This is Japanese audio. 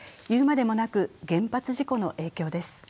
言うまでもなく原発事故の影響です。